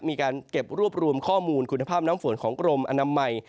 มีการเก็บรวบรวมข้อมูลคุณภาพน้ำฝนของกรมอนามัย